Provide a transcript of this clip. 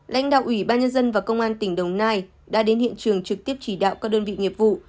lãnh đạo ủy ban nhân dân và công an tỉnh đồng nai đã đến hiện trường trực tiếp chỉ đạo các đơn vị nghiệp vụ